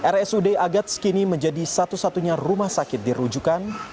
rsud agats kini menjadi satu satunya rumah sakit dirujukan